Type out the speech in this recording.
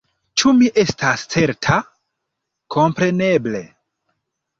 Ĉu mi estas certa? Kompreneble.